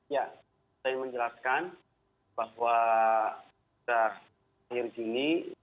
ya saya menjelaskan bahwa pada akhir juni